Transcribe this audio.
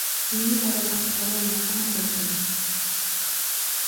Ini adalah perkara yang sangat penting